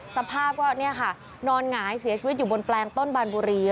สภาพก็เนี่ยค่ะนอนหงายเสียชีวิตอยู่บนแปลงต้นบานบุรี